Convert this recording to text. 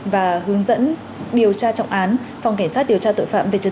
và hướng dẫn điều tra trọng án phòng cảnh sát điều tra tội phạm